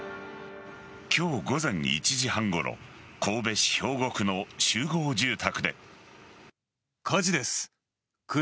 今日午前１時半ごろ神戸市兵庫区の集合住宅で。